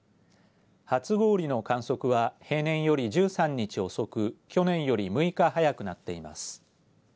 初氷の観測は平年より１３日遅く去年より６日早くなっています。